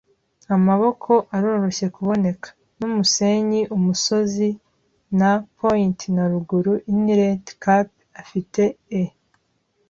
Amaboko aroroshye kuboneka, mumusenyi-umusozi, N. point ya ruguru inlet cape, ifite E.